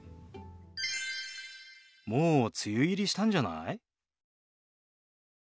もう梅雨入りしたんじゃない？